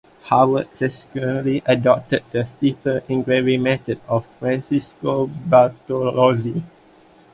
Haward subsequently adopted the stipple engraving method of Francesco Bartolozzi.